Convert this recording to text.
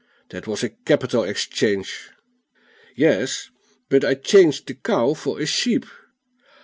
That was a capital exchange." "Yes, but I changed the cow for a sheep."